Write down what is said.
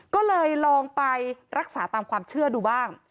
ก็เลยลองไปรักษาตามความเชื่อดูบ้าง